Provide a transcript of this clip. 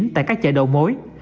tại các chợ đầu mối